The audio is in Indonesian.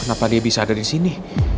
kenapa dia bisa ada disini